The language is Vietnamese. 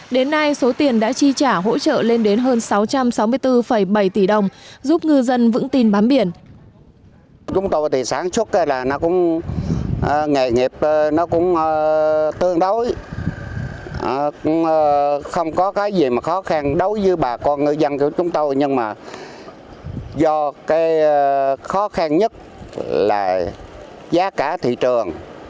đến nay số tiền đã chi trả hỗ trợ lên đến hơn sáu trăm sáu mươi bốn bảy tỷ đồng giúp ngư dân vững tin bám biển